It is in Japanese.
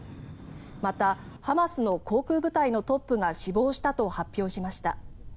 またハマスの航空部隊のトップが死亡したと発表しました。